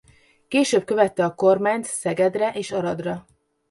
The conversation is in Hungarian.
Később követte a kormányt Szegedre és Aradra.